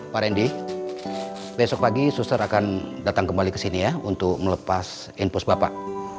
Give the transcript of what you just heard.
pak randy besok pagi suster akan datang kembali ke sini ya untuk melepas inpus bapak